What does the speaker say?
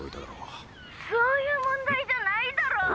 そういう問題じゃないだろ！